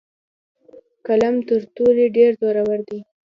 قلم تر تورې ډیر زورور دی.